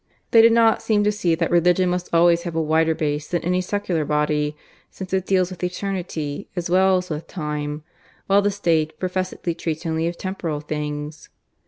They did not seem to see that Religion must always have a wider basis than any secular body, since it deals with eternity as well as with time, while the State, professedly, treats only of temporal things.